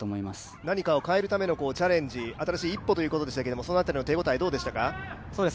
何かを変えるためのチャレンジ、新しい一歩ということでしたけどその辺りの手応えどうでしたか？